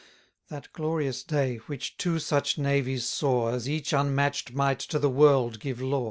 That glorious day, which two such navies saw, As each unmatch'd might to the world give law.